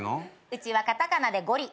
うちはカタカナでゴリ。